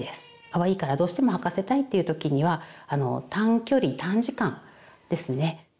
かわいいからどうしても履かせたいという時には短距離短時間ですね。